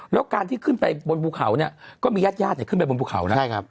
แล้วการที่ขึ้นไปบนภูเขาเนี่ยก็มีญาติญาติขึ้นไปบนภูเขานะ